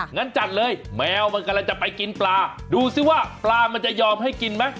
งั้นจัดเลยแมวมันกำลังจะไปกินปลาดูซิว่าปลามันจะยอมให้กินไหม